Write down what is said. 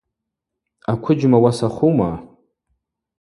Аквыджьма уасахума?